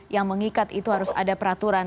yang mengikat itu harus ada peraturan